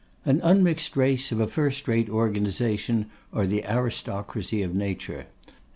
An unmixed race of a firstrate organisation are the aristocracy of Nature.